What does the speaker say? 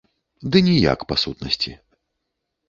Ды ніяк, па сутнасці.